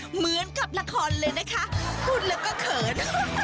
เหมือนกับละครเลยนะคะพูดแล้วก็เขิน